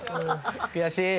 悔しい。